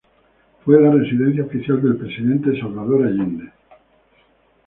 Fue la residencia oficial del Presidente Salvador Allende.